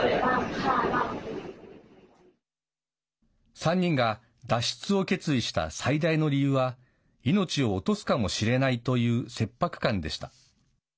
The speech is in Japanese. ３人が脱出を決意した最大の理由は命を落とすかもしれないという切迫感でした。